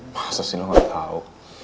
masa sih lo gak tau